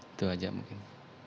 itu aja mungkin